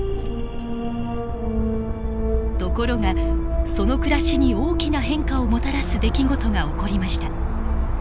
ところがその暮らしに大きな変化をもたらす出来事が起こりました。